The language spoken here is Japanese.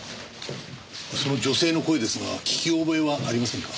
その女性の声ですが聞き覚えはありませんか？